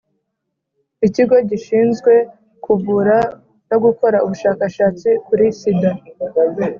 ikigo gishinzwe kuvura no gukora ubushakashatsi kuri sida